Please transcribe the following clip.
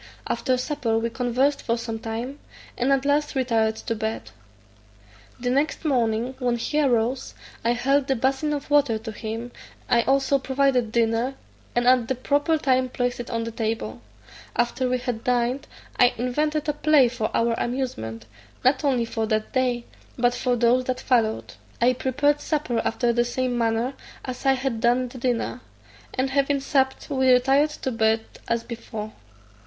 After supper we conversed for some time; and at last retired to bed. The next morning, when he arose, I held the basin of water to him; I also provided dinner, and at the proper time placed it on the table: after we had dined I invented a play for our amusement, not only for that day, but for those that followed. I prepared supper after the same manner as I had done the dinner; and having supped, we retired to bed as before.